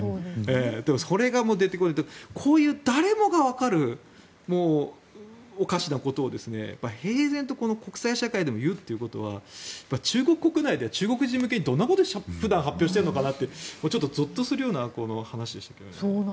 でもそれが出てこないとなるとこういう誰もがわかるおかしなことを平然と国際社会でも言うということは中国国内では中国人向けにどんなことを普段発表しているのかなってぞっとするような話でしたけど。